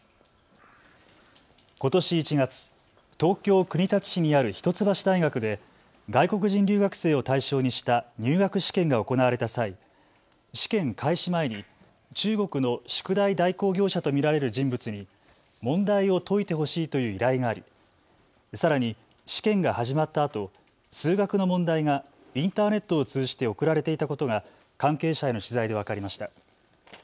ことし１月、東京国立市にある一橋大学で外国人留学生を対象にした入学試験が行われた際、試験開始前に中国の宿題代行業者と見られる人物に問題を解いてほしいという依頼がありさらに試験が始まったあと数学の問題がインターネットを通じて送られていたことが関係者への取材で分かりました。